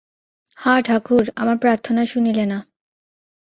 হা ঠাকুর, আমার প্রার্থনা শুনিলে না।